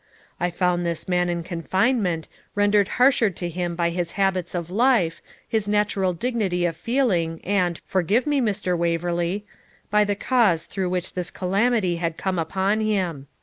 I found this man in confinement, rendered harsher to him by his habits of life, his natural dignity of feeling, and forgive me, Mr. Waverley by the cause through which this calamity had come upon him.